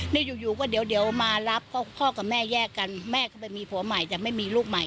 นี่อยู่ก็เดี๋ยวมารับเพราะพ่อกับแม่แยกกันแม่ก็ไปมีผัวใหม่แต่ไม่มีลูกใหม่